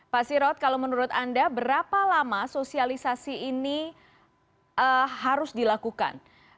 pak sirot kalau menurut anda berapa lama sosialisasi ini harus dilakukan